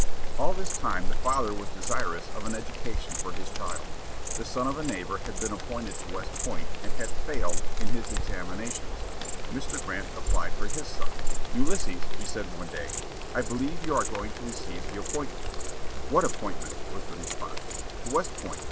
All this time the father was desirous of an education for his child. The son of a neighbor had been appointed to West Point, and had failed in his examinations. Mr. Grant applied for his son. "Ulysses," he said one day, "I believe you are going to receive the appointment." "What appointment!" was the response. "To West Point.